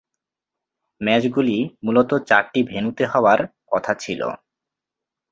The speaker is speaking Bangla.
ম্যাচগুলি মূলত চারটি ভেন্যুতে হওয়ার কথা ছিল।